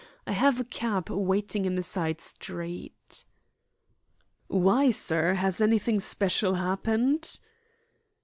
I have a cab waiting in a side street." "Why, sir, has anything special happened?"